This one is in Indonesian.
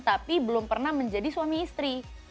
tapi belum pernah menjadi suami istri